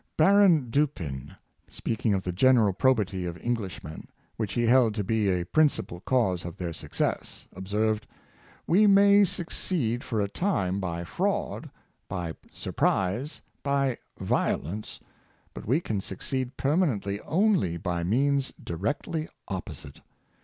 Baron Dupin, speaking of the general probity of Eng lishmen, which he held to be a principle cause of their success, observed, " We may succeed for a time by fraud, by surprise, by violence; but we can succeed permanently only by means directly opposite.